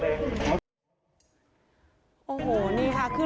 เอ้ยเอ้ยเอ้ยเอ้ย